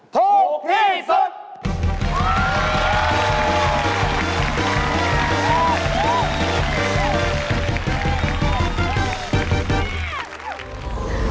ถูกที่สุด